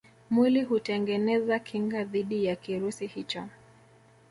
Mwili hutengeneza kinga dhidi ya kirusi hicho